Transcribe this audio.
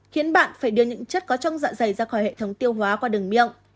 khiến bạn phải đưa những chất có trong dạ dày ra khỏi hệ thống tiêu hóa qua đường miệng